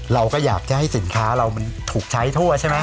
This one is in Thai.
เราก็อยากจะให้สินค้าเรามันถูกใช้ทั่วใช่ไหม